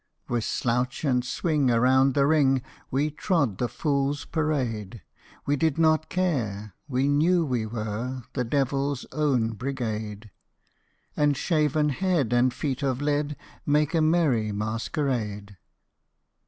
With slouch and swing around the ring We trod the Foolsâ Parade! We did not care: we knew we were The Devilâs Own Brigade: And shaven head and feet of lead Make a merry masquerade.